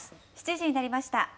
７時になりました。